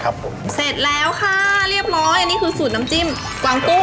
ครับผมเสร็จแล้วค่ะเรียบร้อยอันนี้คือสูตรน้ำจิ้มกวางตุ้ง